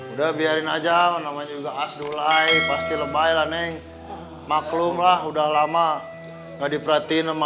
udah biarin aja namanya juga asdulai pasti lebay lening maklumlah udah lama nggak diperhatiin sama